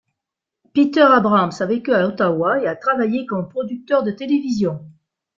Peter Abrahams a vécu à Ottawa et a travaillé comme producteur de télévision.